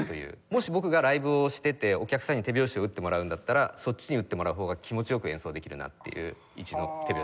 もし僕がライブをしててお客さんに手拍子を打ってもらうんだったらそっちに打ってもらう方が気持ち良く演奏できるなっていう位置の手拍子ですね。